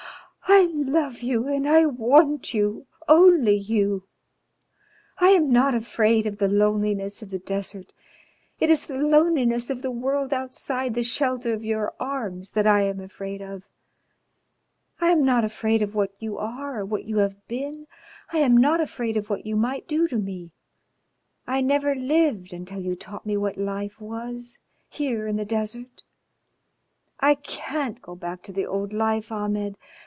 I love you and I want you only you. I am not afraid of the loneliness of the desert, it is the loneliness of the world outside the shelter of your arms that I am afraid of. I am not afraid of what you are or what you have been. I am not afraid of what you might do to me. I never lived until you taught me what life was, here in the desert. I can't go back to the old life, Ahmed.